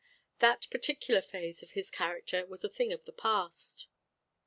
That particular phase of his character was a thing of the past.